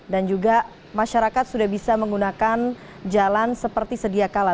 dan juga masyarakat sudah bisa menggunakan jalan seperti sedia kala